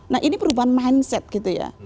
nah ini perubahan mindset gitu ya